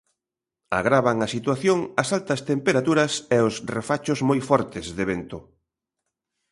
Agravan a situación as altas temperaturas e os refachos moi fortes de vento.